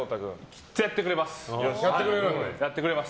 きっとやってくれます。